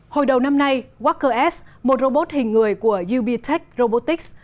hồi đầu năm nay wacker s một robot hình người của ubtech robotics